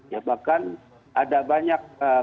ya bahkan ada banyak